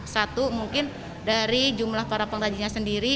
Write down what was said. satu mungkin dari jumlah para pengrajinnya sendiri